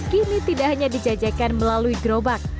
kini tidak hanya dijajakan melalui gerobak